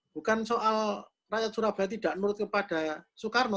bukan soal rakyat surabaya tidak menurut kepada soekarno